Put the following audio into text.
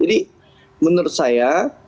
jadi menurut saya